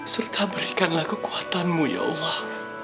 serta berikanlah kekuatanmu ya allah